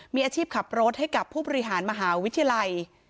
มีอาชีพขับรถให้กับผู้บริหารมหาวิทยาลัย